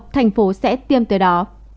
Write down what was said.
thành phố sẽ tiêm tới đó